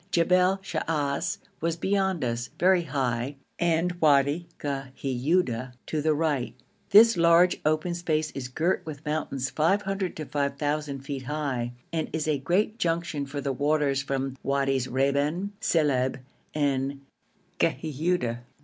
Jebel Shaas was beyond us, very high, and Wadi Ghiuda to the right. This large open space is girt with mountains 500 to 5,000 feet high, and is a great junction for the waters from Wadis Reban, Silib, and Ghiuda.